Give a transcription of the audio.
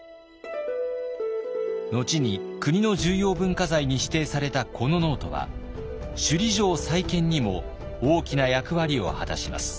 後に国の重要文化財に指定されたこのノートは首里城再建にも大きな役割を果たします。